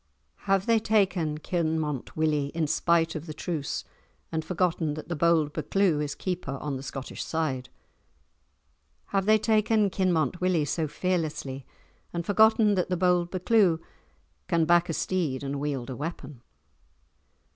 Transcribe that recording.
Have they taken Kinmont Willie in spite of the truce, and forgotten that the bold Buccleuch is Keeper on the Scottish side? Have they taken Kinmont Willie so fearlessly, and forgotten that the bold Buccleuch can back a steed and wield a weapon?